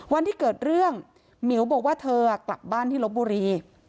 วันที่เกิดเรื่องหมิวบอกว่าเธอกลับบ้านที่ลบบุรี